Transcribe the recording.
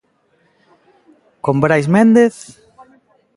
Con Brais Méndez.